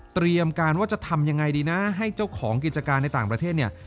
เตรียมการว่าจะทำยังไงดีนะให้เจ้าของกิจการในต่างประเทศเนี่ย